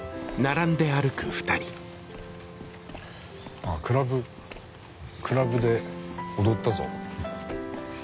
ああクラブクラブで踊ったぞ。